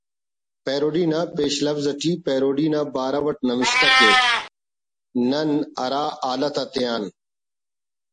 'پیروڈی'' نا پیش لوز اٹی پیروڈی نا بارو اٹ نوشتہ کیک: ''نن ہرا حالیت آتیان